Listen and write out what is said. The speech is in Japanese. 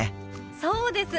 そうです。